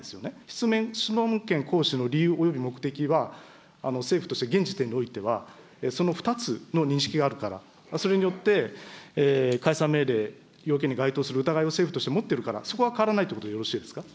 質問権行使の理由、および目的は、政府として、現時点においては、その２つの認識があるから、それによって解散命令、要件に該当する疑いを政府として持ってるから、そこは変わらないということでよろしいですか。